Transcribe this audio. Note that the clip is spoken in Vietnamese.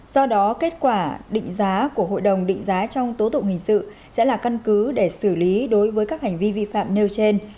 do đó kết quả định giá của hội đồng định giá trong tố tụng hình sự sẽ là căn cứ để xử lý đối với các hành vi vi phạm nêu trên